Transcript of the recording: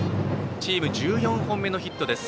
チーム１４本目のヒットです